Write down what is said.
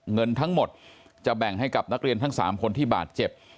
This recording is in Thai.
เงินทั้งหมดจะแบ่งให้กับนักเรียนทั้ง๓คนที่บาดเจ็บ